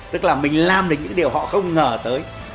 tức là mình làm được những điều họ không ngờ tới